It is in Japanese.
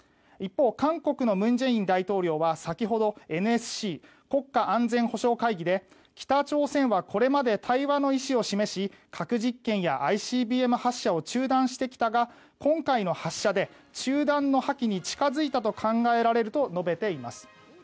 一方、韓国の文在寅大統領は先ほどＮＳＣ・国家安全保障会議で「北朝鮮はこれまで対話の意志を示し核実験やＩＣＢＭ発射を中断してきたが今回の中距離弾道ミサイルの発射で中断の破棄に近づいたと考えられる」と述べています。